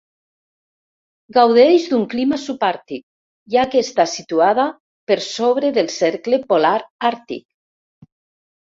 Gaudeix d'un clima subàrtic, ja que està situada per sobre del cercle polar àrtic.